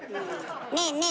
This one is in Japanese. ねえねえ